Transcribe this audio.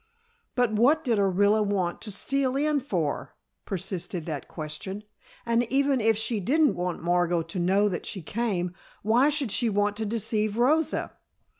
"But what did Orilla want to steal in for?" persisted that question. "And even if she didn't want Margot to know that she came, why should she want to deceive Rosa?